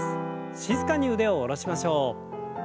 静かに腕を下ろしましょう。